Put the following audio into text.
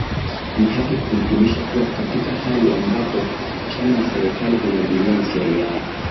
Ni haki kuhitimisha kuwa katika hali ambapo chama na serikali vinahudumia maslahi yao